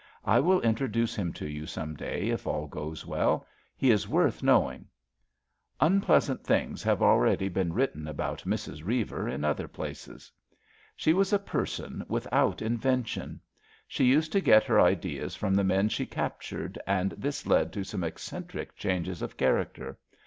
I will introduce him to you some day if all goes well. He is worth knowing. Unpleasant things have already been written about Mrs. Eeiver in other places. SUPPLEMENTARY CHAPTER 149 She was a person without invention. She used to get her ideas from the men she captured, and this led to some eccentric changes of character.